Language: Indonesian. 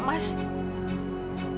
lepas ini itu menungguanku langsung pulp